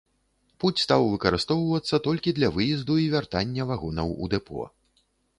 Пуць стаў выкарыстоўвацца толькі для выезду і вяртання вагонаў у дэпо.